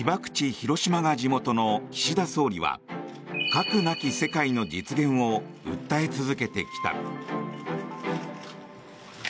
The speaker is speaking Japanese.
・広島が地元の岸田総理は核なき世界の実現を訴え続けてきた。